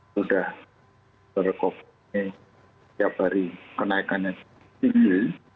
sudah terkopi setiap hari kenaikan yang tinggi